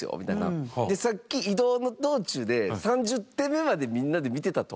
さっき移動の道中で３０手目までみんなで見てたと。